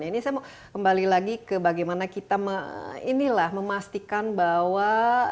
ini saya mau kembali lagi ke bagaimana kita inilah memastikan bahwa